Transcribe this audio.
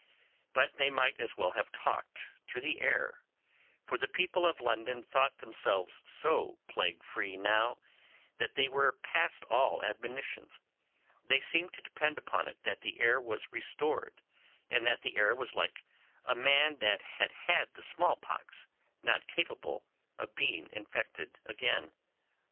But they might as well have talked to the air, for the people of London thought themselves so plague free now that they were past all admonitions; they seemed to depend upon it that the air was restored, and that the air was like a man that had had the smallpox, not capable of being infected again.